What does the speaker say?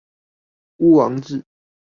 巫王志